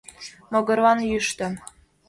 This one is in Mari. Могырлан йӱштӧ.